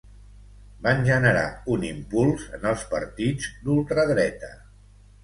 van generar un impuls en els partits d'ultradreta